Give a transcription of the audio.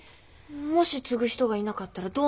もし継ぐ人がいなかったらどうなるんですか？